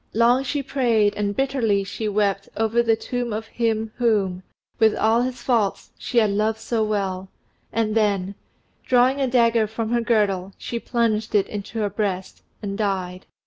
Long she prayed and bitterly she wept over the tomb of him whom, with all his faults, she had loved so well, and then, drawing a dagger from her girdle, she plunged it in her breast and died.